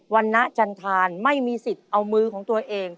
รณจันทานไม่มีสิทธิ์เอามือของตัวเอง